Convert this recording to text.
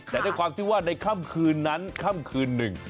แต่ด้วยความที่ว่าในค่ำคืนนั้นค่ำคืนหนึ่ง